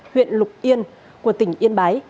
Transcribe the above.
huyện lục yên của tỉnh yên bái